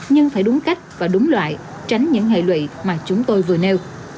nhưng phải đúng cách và đúng loại tránh những hệ lụy mà chúng tôi vừa nêu